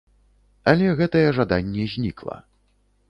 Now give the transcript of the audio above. Але гэтае жаданне знікла.